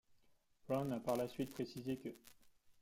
Brown a par la suite précisé qu'.